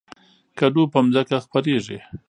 کدو په ځمکه خپریږي